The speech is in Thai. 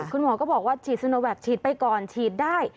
คุณหมอก็บอกว่าฉีดซิโนแวคฉีดไปก่อนฉีดได้